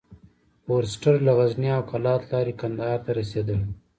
فورسټر له غزني او قلات لاري کندهار ته رسېدلی.